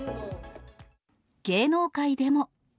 芸能界でも。